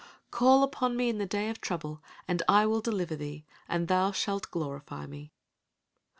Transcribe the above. * "Call upon me in the day of trouble and I will deliver thee, and thou shalt glorify me."